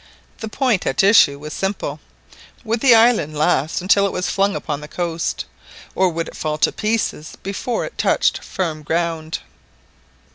The point at issue was simply:—Would the island last until it was flung upon the coast, or would it fall to pieces before it touched firm ground?